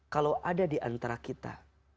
kalau ada di antara kita